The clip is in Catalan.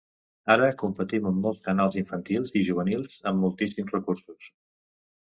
Ara competim amb molts canals infantils i juvenils amb moltíssims recursos.